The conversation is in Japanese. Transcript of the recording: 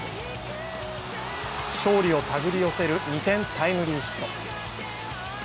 勝利を手繰り寄せる２点タイムリーヒット。